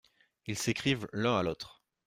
Ils s’écrivent l’un à l’autre.